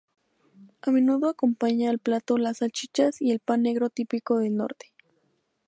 A menudo acompaña al plato las salchichas y el pan negro típico del norte.